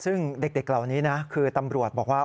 ซึ่งเด็กเหล่านี้นะคือตำรวจบอกว่า